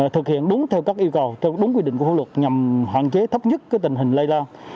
thực hiện đúng theo các yêu cầu theo đúng quy định của phương luật nhằm hoạn chế thấp nhất tình hình lây lao